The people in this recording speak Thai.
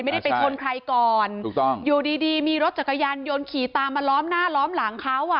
ไม่ได้ไปชนใครก่อนอยู่ดีมีรถจักรยานยนต์ยนต์ขี่ตามมาล้อมหน้าล้อมหลังเขา